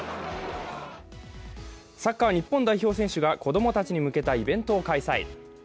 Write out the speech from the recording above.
サッカー日本代表選手が子供たちに向けたイベントを開催。